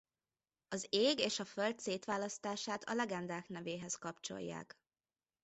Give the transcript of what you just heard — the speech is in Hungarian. Az ég és a föld szétválasztását a legendák nevéhez kapcsolják.